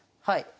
はい。